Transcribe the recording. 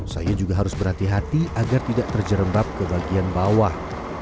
saya juga harus berhati hati agar tidak terjerembab ke bagian bawah